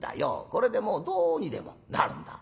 これでもうどうにでもなるんだ。ね？